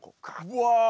うわ！